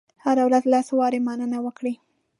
هره ورځ لس وارې مننه وکړئ.